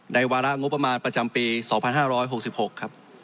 ในวาระงบประมาณประจำปีสองพันห้าร้อยหกสิบหกครับ